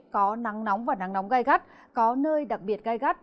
có nắng nóng và nắng nóng gai gắt có nơi đặc biệt gai gắt